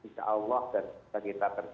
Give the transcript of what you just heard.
insya allah kita terjaga